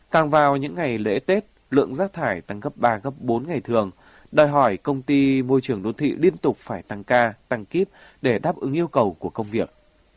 càng vào những ngày lễ tết lượng rác thải tăng gấp ba gấp bốn ngày thường đòi hỏi công ty môi trường đô thị liên tục phải tăng ca tăng kíp để đáp ứng yêu cầu của công việc